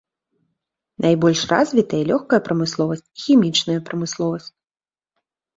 Найбольш развітыя лёгкая прамысловасць і хімічная прамысловасць.